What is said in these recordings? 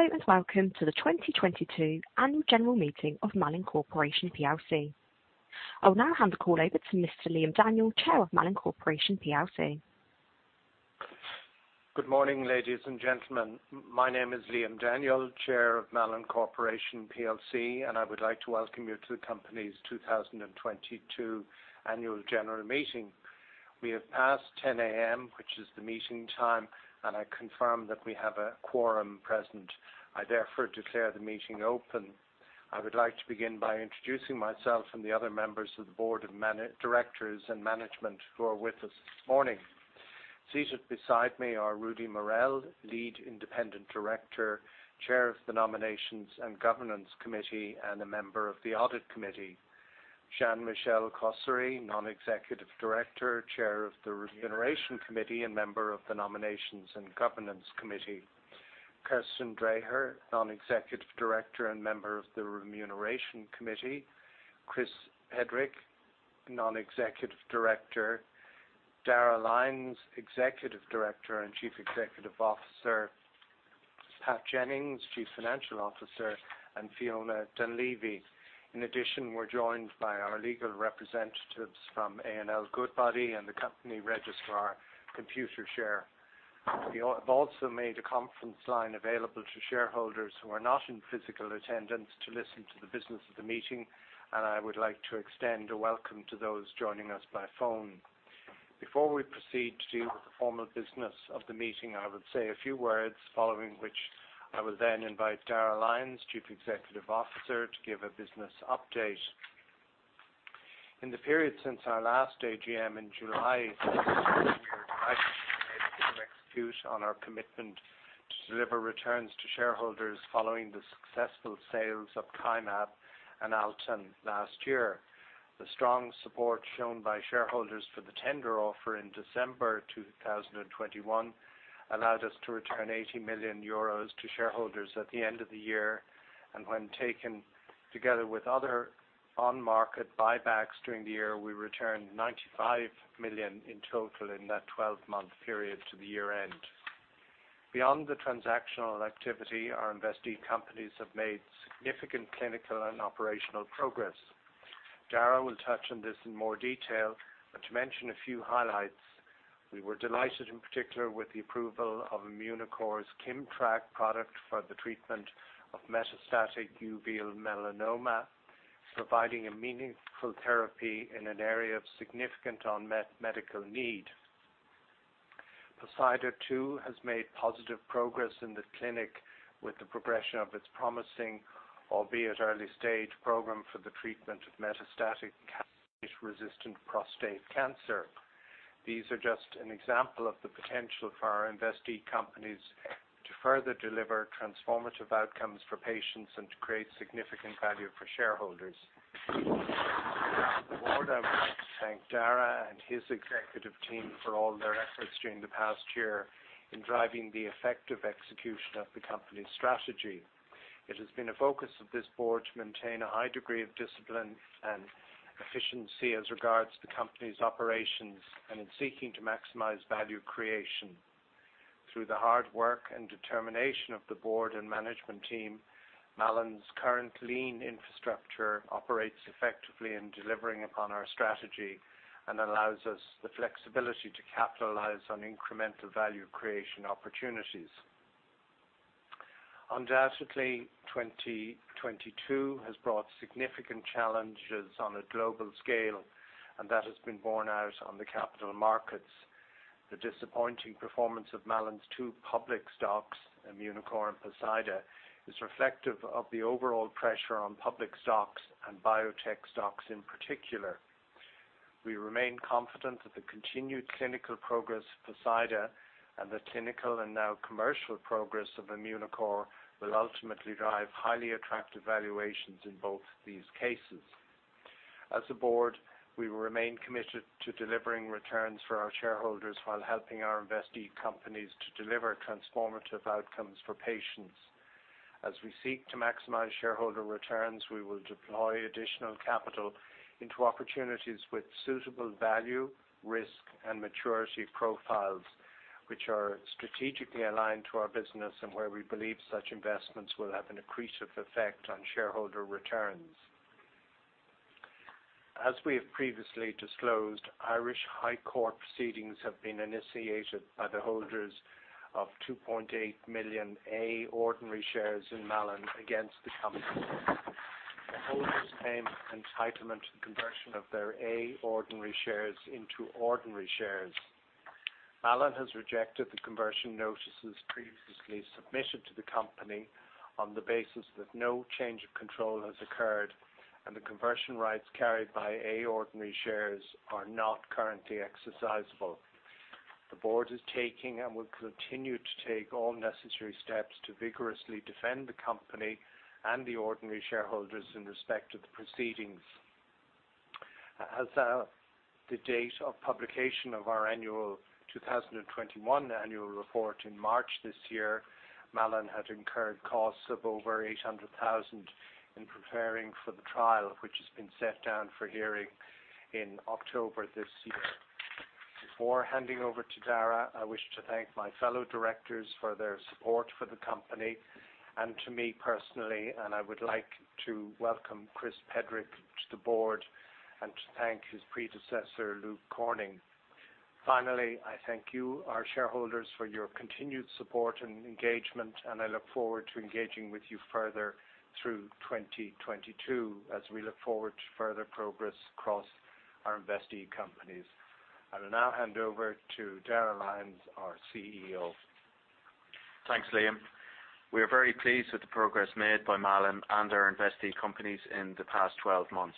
Hello, and welcome to the 2022 annual general meeting of Malin Corporation plc. I'll now hand the call over to Mr. Liam Daniel, Chair of Malin Corporation plc. Good morning, ladies and gentlemen. My name is Liam Daniel, Chair of Malin Corporation plc, and I would like to welcome you to the company's 2022 annual general meeting. We have passed 10 A.M., which is the meeting time, and I confirm that we have a quorum present. I therefore declare the meeting open. I would like to begin by introducing myself and the other members of the board of directors and management who are with us this morning. Seated beside me are Rudy Mareel, Lead Independent Director, Chair of the Nominations and Governance Committee, and a member of the Audit Committee. Jean-Michel Cosséry, Non-Executive Director, Chair of the Remuneration Committee, and member of the Nominations and Governance Committee. Kirsten Drejer, Non-Executive Director and member of the Remuneration Committee. Chris Pedrick, Non-Executive Director. Darragh Lyons, Executive Director and Chief Executive Officer. Pat Jennings, Chief Financial Officer, and Fiona Dunlevy. In addition, we're joined by our legal representatives from A&L Goodbody and the company registrar, Computershare. We have also made a conference line available to shareholders who are not in physical attendance to listen to the business of the meeting, and I would like to extend a welcome to those joining us by phone. Before we proceed to deal with the formal business of the meeting, I would say a few words, following which I will then invite Darragh Lyons, Chief Executive Officer, to give a business update. In the period since our last AGM in July we are delighted to have been able to execute on our commitment to deliver returns to shareholders following the successful sales of Kymab and Altan last year. The strong support shown by shareholders for the tender offer in December 2021 allowed us to return 80 million euros to shareholders at the end of the year, and when taken together with other on-market buybacks during the year, we returned 95 million in total in that 12 month period to the year-end. Beyond the transactional activity, our investee companies have made significant clinical and operational progress. Dara will touch on this in more detail, but to mention a few highlights, we were delighted, in particular, with the approval of Immunocore's KIMMTRAK product for the treatment of metastatic uveal melanoma, providing a meaningful therapy in an area of significant unmet medical need. Poseida, too, has made positive progress in the clinic with the progression of its promising, albeit early-stage, program for the treatment of metastatic castrate-resistant prostate cancer. These are just an example of the potential for our investee companies to further deliver transformative outcomes for patients and to create significant value for shareholders. On behalf of the board, I would like to thank Darragh and his executive team for all their efforts during the past year in driving the effective execution of the company's strategy. It has been a focus of this board to maintain a high degree of discipline and efficiency as regards to the company's operations and in seeking to maximize value creation. Through the hard work and determination of the board and management team, Malin's current lean infrastructure operates effectively in delivering upon our strategy and allows us the flexibility to capitalize on incremental value creation opportunities. Undoubtedly, 2022 has brought significant challenges on a global scale, and that has been borne out on the capital markets. The disappointing performance of Malin's two public stocks, Immunocore and Poseida, is reflective of the overall pressure on public stocks and biotech stocks in particular. We remain confident that the continued clinical progress of Poseida and the clinical and now commercial progress of Immunocore will ultimately drive highly attractive valuations in both these cases. As a board, we will remain committed to delivering returns for our shareholders while helping our investee companies to deliver transformative outcomes for patients. As we seek to maximize shareholder returns, we will deploy additional capital into opportunities with suitable value, risk, and maturity profiles, which are strategically aligned to our business and where we believe such investments will have an accretive effect on shareholder returns. As we have previously disclosed, Irish High Court proceedings have been initiated by the holders of 2.8 million A ordinary shares in Malin against the company. The holders claim entitlement to the conversion of their A ordinary shares into ordinary shares. Malin has rejected the conversion notices previously submitted to the company on the basis that no change of control has occurred, and the conversion rights carried by A ordinary shares are not currently exercisable. The board is taking, and will continue to take, all necessary steps to vigorously defend the company and the ordinary shareholders in respect of the proceedings. As of the date of publication of our 2021 annual report in March this year, Malin had incurred costs of over 800,000 in preparing for the trial, which has been set down for hearing in October this year. Before handing over to Dara, I wish to thank my fellow directors for their support for the company and to me personally, and I would like to welcome Chris Pedrick to the board and to thank his predecessor, Luke Corning. Finally, I thank you, our shareholders, for your continued support and engagement, and I look forward to engaging with you further through 2022 as we look forward to further progress across our investee companies. I will now hand over to Dara Lyons, our CEO. Thanks, Liam. We are very pleased with the progress made by Malin and our investee companies in the past 12 months.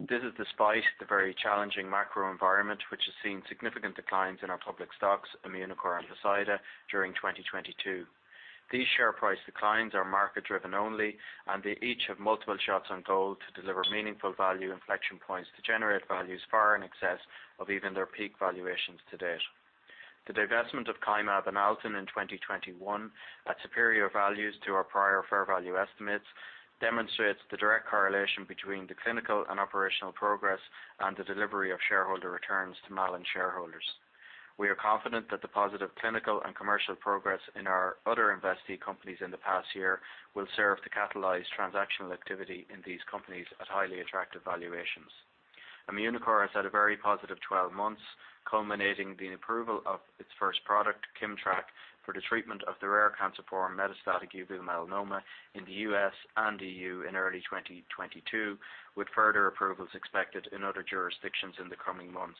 This is despite the very challenging macro environment, which has seen significant declines in our public stocks, Immunocore and Poseida, during 2022. These share price declines are market-driven only, and they each have multiple shots on goal to deliver meaningful value inflection points to generate values far in excess of even their peak valuations to date. The divestment of Kymab and Altan in 2021 at superior values to our prior fair value estimates demonstrates the direct correlation between the clinical and operational progress and the delivery of shareholder returns to Malin shareholders. We are confident that the positive clinical and commercial progress in our other investee companies in the past year will serve to catalyze transactional activity in these companies at highly attractive valuations. Immunocore has had a very positive 12 months, culminating in the approval of its first product, KIMMTRAK, for the treatment of the rare cancer form metastatic uveal melanoma in the US and EU in early 2022, with further approvals expected in other jurisdictions in the coming months.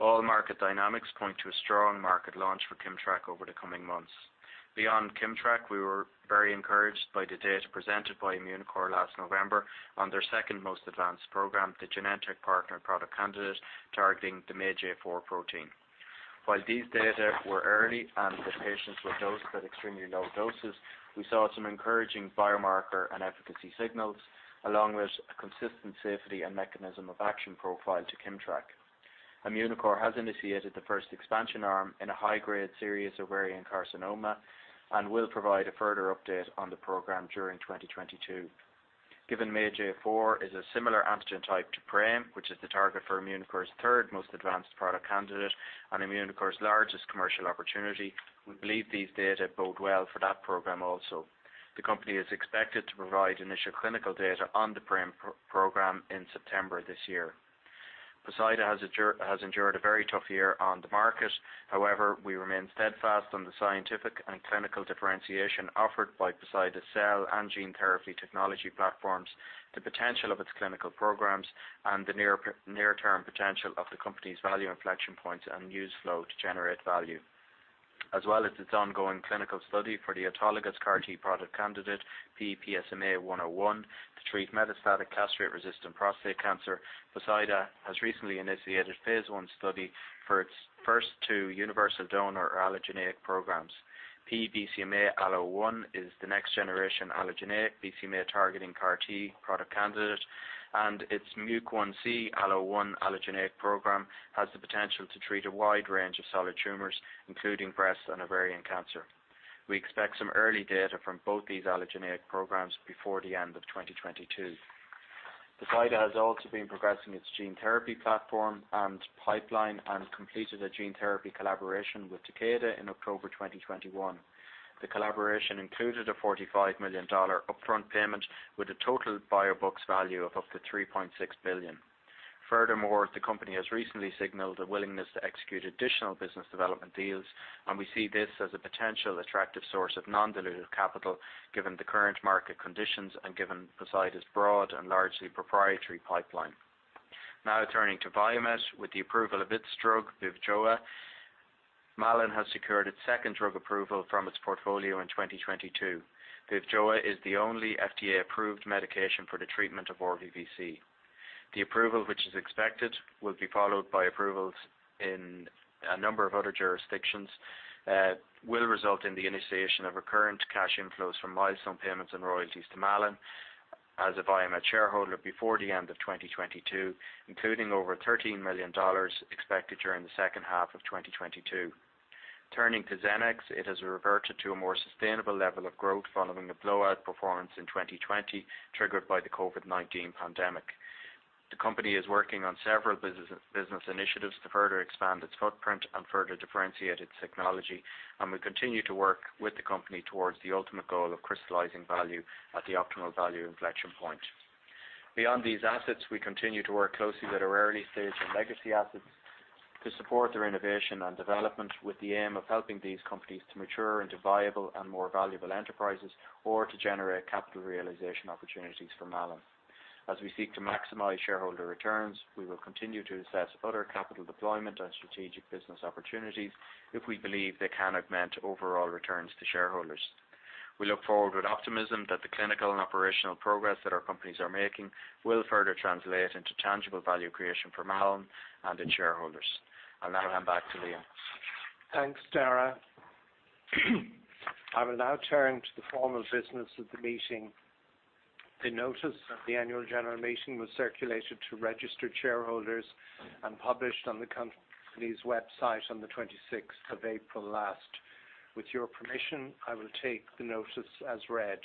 All market dynamics point to a strong market launch for KIMMTRAK over the coming months. Beyond KIMMTRAK, we were very encouraged by the data presented by Immunocore last November on their second-most advanced program, the Genentech partner product candidate targeting the MAGE-A4 protein. While these data were early and the patients were dosed at extremely low doses, we saw some encouraging biomarker and efficacy signals, along with a consistent safety and mechanism of action profile to KIMMTRAK. Immunocore has initiated the first expansion arm in a high-grade serous ovarian carcinoma and will provide a further update on the program during 2022. Given MAGE-A4 is a similar antigen type to PRAME, which is the target for Immunocore's third most advanced product candidate and Immunocore's largest commercial opportunity, we believe these data bode well for that program also. The company is expected to provide initial clinical data on the PRAME program in September this year. Poseida has endured a very tough year on the market. However, we remain steadfast on the scientific and clinical differentiation offered by Poseida cell and gene therapy technology platforms, the potential of its clinical programs, and the near-term potential of the company's value inflection points and use flow to generate value. As well as its ongoing clinical study for the autologous CAR-T product candidate, P-PSMA-101, to treat metastatic castrate-resistant prostate cancer, Poseida has recently initiated phase one study for its first two universal donor allogeneic programs. P-BCMA-ALLO1 is the next-generation allogeneic BCMA-targeting CAR-T product candidate, and its P-MUC1C-ALLO1 allogeneic program has the potential to treat a wide range of solid tumors, including breast and ovarian cancer. We expect some early data from both these allogeneic programs before the end of 2022. Poseida has also been progressing its gene therapy platform and pipeline and completed a gene therapy collaboration with Takeda in October 2021. The collaboration included a $45 million upfront payment with a total biobucks value of up to $3.6 billion. Furthermore, the company has recently signaled a willingness to execute additional business development deals, and we see this as a potential attractive source of non-dilutive capital, given the current market conditions and given Poseida's broad and largely proprietary pipeline. Now turning to Mycovia, with the approval of its drug VIVJOA, Malin has secured its second drug approval from its portfolio in 2022. VIVJOA is the only FDA-approved medication for the treatment of RVVC. The approval, which is expected, will be followed by approvals in a number of other jurisdictions, will result in the initiation of recurrent cash inflows from milestone payments and royalties to Malin as a Mycovia shareholder before the end of 2022, including over $13 million expected during the second half of 2022. Turning to Xenex, it has reverted to a more sustainable level of growth following a blowout performance in 2020, triggered by the COVID-19 pandemic. The company is working on several business initiatives to further expand its footprint and further differentiate its technology, and we continue to work with the company towards the ultimate goal of crystallizing value at the optimal value inflection point. Beyond these assets, we continue to work closely with our early-stage and legacy assets to support their innovation and development with the aim of helping these companies to mature into viable and more valuable enterprises or to generate capital realization opportunities for Malin. As we seek to maximize shareholder returns, we will continue to assess other capital deployment and strategic business opportunities if we believe they can augment overall returns to shareholders. We look forward with optimism that the clinical and operational progress that our companies are making will further translate into tangible value creation for Malin and its shareholders. I'll now hand back to Liam. Thanks, Darragh. I will now turn to the formal business of the meeting. The notice of the annual general meeting was circulated to registered shareholders and published on the company's website on the 26th of April last. With your permission, I will take the notice as read.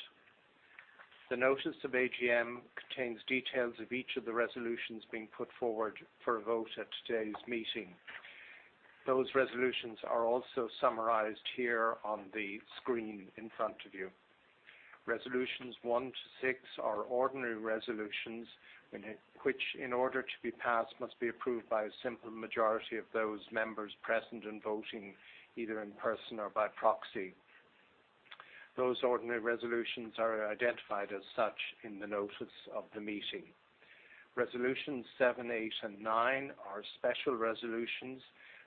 The notice of AGM contains details of each of the resolutions being put forward for a vote at today's meeting. Those resolutions are also summarized here on the screen in front of you. Resolutions one to six are ordinary resolutions, in which, in order to be passed, must be approved by a simple majority of those members present in voting, either in person or by proxy. Those ordinary resolutions are identified as such in the notice of the meeting. Resolutions seven, eight, and nine are special resolutions,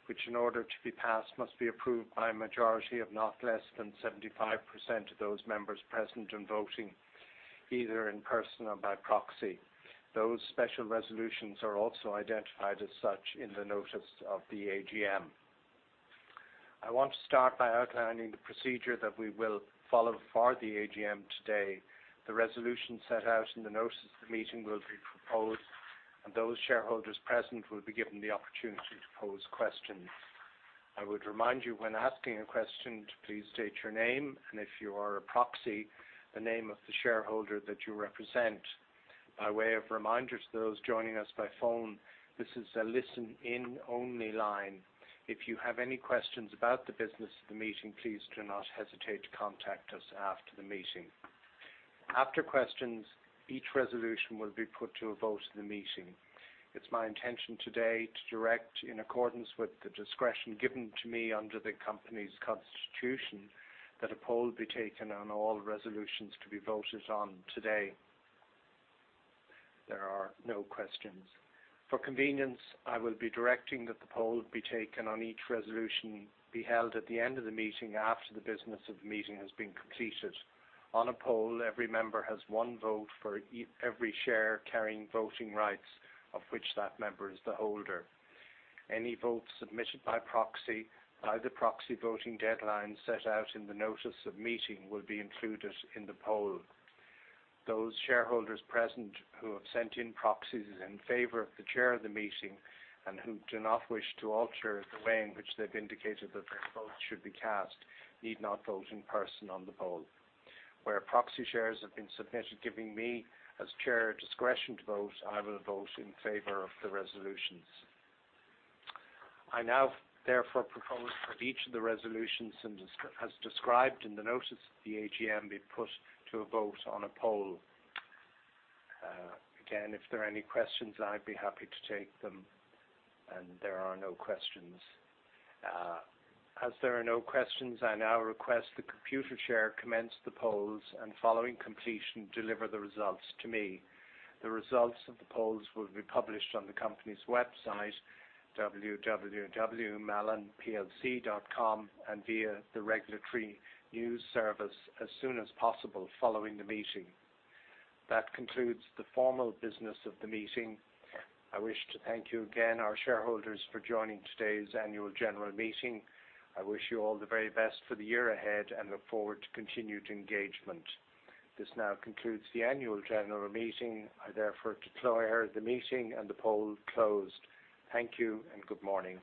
which, in order to be passed, must be approved by a majority of not less than 75% of those members present in voting, either in person or by proxy. Those special resolutions are also identified as such in the notice of the AGM. I want to start by outlining the procedure that we will follow for the AGM today. The resolution set out in the notice of the meeting will be proposed, and those shareholders present will be given the opportunity to pose questions. I would remind you when asking a question to please state your name, and if you are a proxy, the name of the shareholder that you represent. By way of reminder to those joining us by phone, this is a listen-in only line. If you have any questions about the business of the meeting, please do not hesitate to contact us after the meeting. After questions, each resolution will be put to a vote in the meeting. It's my intention today to direct in accordance with the discretion given to me under the company's constitution, that a poll be taken on all resolutions to be voted on today. There are no questions. For convenience, I will be directing that the poll be taken on each resolution be held at the end of the meeting after the business of the meeting has been completed. On a poll, every member has one vote for every share carrying voting rights of which that member is the holder. Any votes submitted by proxy, by the proxy voting deadline set out in the notice of meeting will be included in the poll. Those shareholders present who have sent in proxies in favor of the chair of the meeting and who do not wish to alter the way in which they've indicated that their vote should be cast, need not vote in person on the poll. Where proxy shares have been submitted, giving me as chair discretion to vote, I will vote in favor of the resolutions. I now therefore propose that each of the resolutions, as described in the notice of the AGM, be put to a vote on a poll. Again, if there are any questions, I'd be happy to take them. There are no questions. As there are no questions, I now request Computershare commence the polls and following completion, deliver the results to me. The results of the polls will be published on the company's website, www.malinplc.com, and via the regulatory news service as soon as possible following the meeting. That concludes the formal business of the meeting. I wish to thank you again, our shareholders, for joining today's annual general meeting. I wish you all the very best for the year ahead and look forward to continued engagement. This now concludes the annual general meeting. I therefore declare the meeting and the poll closed. Thank you and good morning.